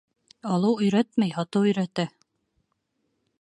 Алыу өйрәтмәй, һатыу өйрәтә.